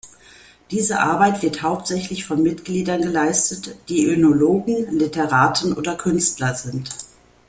Diese Arbeit wird hauptsächlich von Mitgliedern geleistet, die Önologen, Literaten oder Künstler sind.